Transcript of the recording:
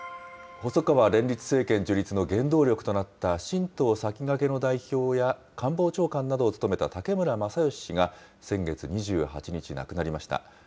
細川連立政権樹立の原動力となった新党さきがけの代表や官房長官などを務めた武村正義氏が先月２８日、亡くなりました。